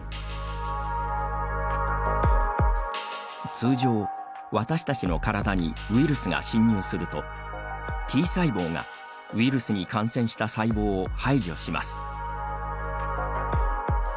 通常、私たちの体にウイルスが侵入するとＴ細胞がウイルスに感染した細胞を排除します。